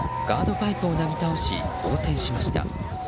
パイプをなぎ倒し横転しました。